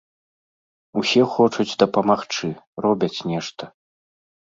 Усе хочуць дапамагчы, робяць нешта.